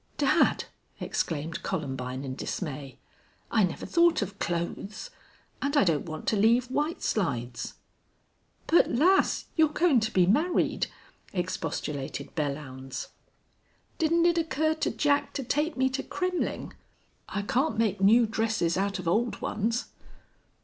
"Dad!" exclaimed Columbine, in dismay. "I never thought of clothes. And I don't want to leave White Slides." "But, lass, you're goin' to be married!" expostulated Belllounds. "Didn't it occur to Jack to take me to Kremmling? I can't make new dresses out of old ones."